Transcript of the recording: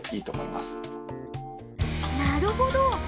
なるほど！